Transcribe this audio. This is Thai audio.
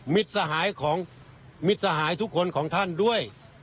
มิตรสหายทุกคนของท่านด้วย